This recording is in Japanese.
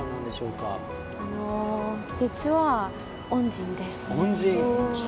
実は、恩人です。